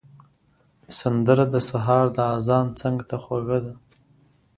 سندره د سهار د اذان څنګ ته خوږه ده